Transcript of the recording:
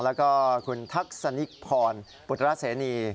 แล้วก็คุณทักษนิพรปุตรเสนี